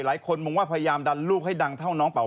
หลายคนมองว่าพยายามดันลูกให้ดังเท่าน้องเป่า